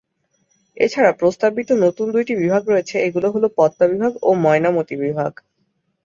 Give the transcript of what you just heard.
এছাড়া প্রস্তাবিত নতুন দুইটি বিভাগ রয়েছে এগুলো হলো পদ্মা বিভাগ ও ময়নামতি বিভাগ।